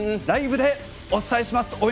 ライブでお伝えします。